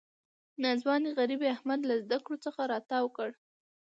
ناځوانه غریبۍ احمد له زده کړو څخه را تاو کړ.